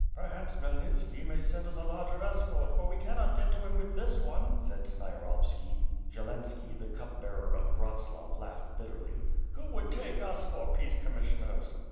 "Periiaps Khmyelnitski may send us a larger escort, for we cannot get to him with this one," said Sniarovski. Zielanski, the Cup Bearer of Bratslav, laughed bitterly. "Who would take us for peace commissioners?"